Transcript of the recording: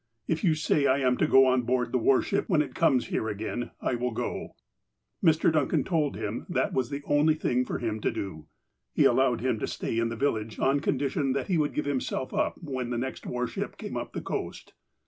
If you say I am to go ou board the war ship when it comes here again, I will go." Mr. Duncan told him that was the only thing for him to do. He allowed him to stay in the village on condi tion that he would give himself up when the next war ship came up the coast.